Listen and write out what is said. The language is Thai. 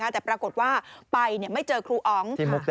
แต่ปรากฏว่าไปไม่เจอครูอ๋อง